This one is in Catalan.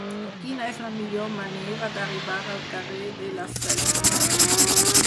Quina és la millor manera d'arribar al carrer de les Salines?